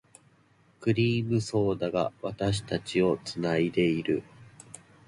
クリームソーダが、私たちを繋いでいる。